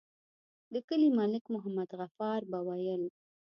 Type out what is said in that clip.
د کلي ملک محمد غفار به ويل.